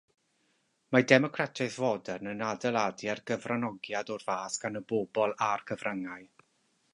Mae democratiaeth fodern yn adeiladu ar gyfranogiad o'r fath gan y bobl a'r cyfryngau.